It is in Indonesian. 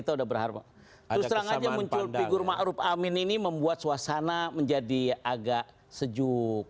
terus terang saja muncul figur ma'ruf amin ini membuat suasana menjadi agak sejuk